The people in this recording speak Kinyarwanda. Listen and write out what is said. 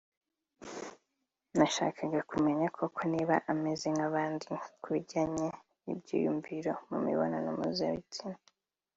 "Nashakaga kumenya koko niba ameze nk’abandi ku bijyanye n’ibyiyumviro by’imibonano mpuzabitsina